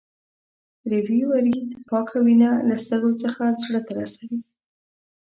ریوي ورید پاکه وینه له سږو څخه زړه ته رسوي.